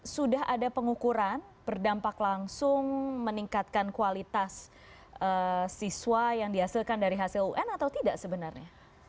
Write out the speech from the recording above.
sudah ada pengukuran berdampak langsung meningkatkan kualitas siswa yang dihasilkan dari hasil un atau tidak sebenarnya